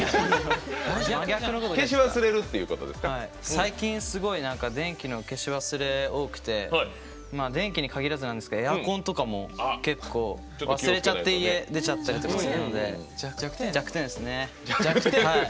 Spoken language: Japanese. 最近、すごい電気の消し忘れが多くて電気にかぎらずなんですけどエアコンとかも結構、忘れちゃって家、出ちゃったりとかするんで弱点ですね。